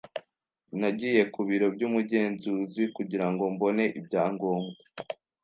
Nagiye ku biro by'umugenzuzi kugira ngo mbone ibyangombwa.